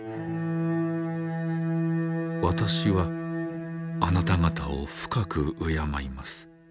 私はあなた方を深く敬います。